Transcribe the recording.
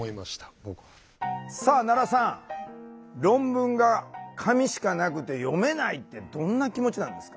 さあ奈良さん論文が紙しかなくて読めないってどんな気持ちなんですか？